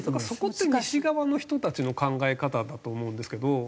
そこって西側の人たちの考え方だと思うんですけど。